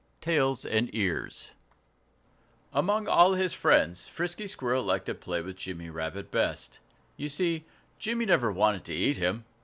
X Tails and Ears Among all his friends, Frisky Squirrel liked to play with Jimmy Rabbit best. You see, Jimmy never wanted to eat him.